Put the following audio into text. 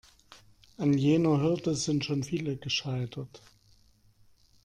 An jener Hürde sind schon viele gescheitert.